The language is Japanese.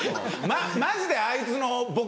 マジであいつのボケ